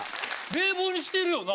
冷房にしてるよな？